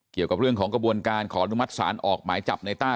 เกี่ยวกับเรื่องของกระบวนการขออนุมัติศาลออกหมายจับในต้า